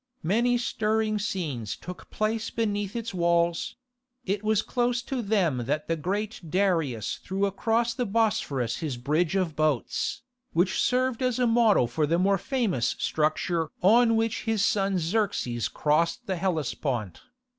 Many stirring scenes took place beneath its walls: it was close to them that the great Darius threw across the Bosphorus his bridge of boats, which served as a model for the more famous structure on which his son Xerxes crossed the Hellespont.